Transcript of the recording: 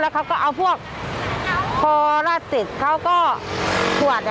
แล้วเขาก็เอาพวกพอลาสติดเขาก็สวดอ่ะ